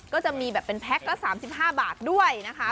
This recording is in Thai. ก็จะมีแบบเป็นแพ็คละ๓๕บาทด้วยนะคะ